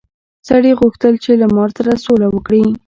سړي غوښتل چې له مار سره سوله وکړي.